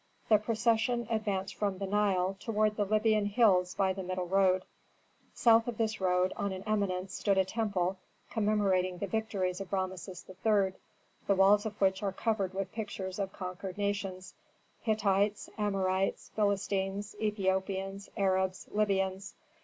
The procession advanced from the Nile toward the Libyan hills by the middle road. South of this road, on an eminence, stood a temple, commemorating the victories of Rameses III., the walls of which are covered with pictures of conquered nations: Hittites, Amorites, Philistines, Ethiopians, Arabs, Libyans.